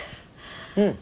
うん。